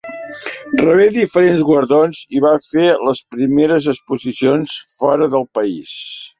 Rebé diferents guardons i va fer les primeres exposicions fora del país.